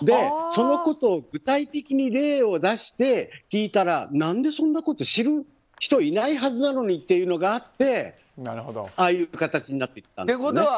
そのことを具体的に例を出して聞いたら何でそんなこと知る人いないはずなのにっていうのがあってああいう形になったんですね。